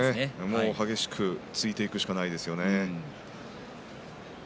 激しく突いていくしかないですよね。